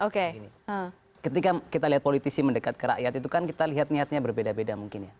oke ini ketika kita lihat politisi mendekat ke rakyat itu kan kita lihat niatnya berbeda beda mungkin ya